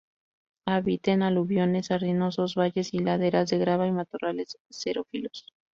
Habita en aluviones arenosos, valles y laderas de grava y matorrales xerófilos.